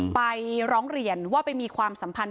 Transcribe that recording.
ไปร้องเรียนว่าไปมีความสัมพันธ